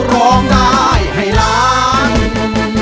ร้องได้ให้ร้อง